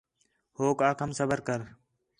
ہوک آکھام صبر کر